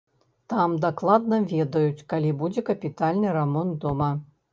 Там дакладна ведаюць, калі будзе капітальны рамонт дома.